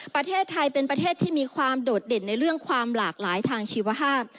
ประเทศไทยเป็นประเทศที่มีความโดดเด่นในเรื่องความหลากหลายทางชีวภาพ